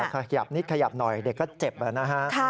แล้วขยับนิดขยับหน่อยเด็กก็เจ็บนะ